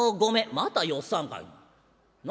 「またよっさんかいな。何や？」。